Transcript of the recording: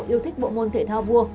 yêu thích bộ môn thể thao vua